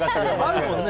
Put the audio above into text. あるもんね。